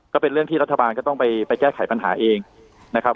ก็เป็นเรื่องที่รัฐบาลก็ต้องไปแก้ไขปัญหาเองนะครับ